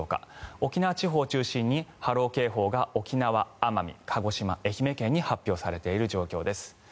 沖縄地方を中心に波浪警報が沖縄、奄美、鹿児島、愛媛県に発表されている状況です。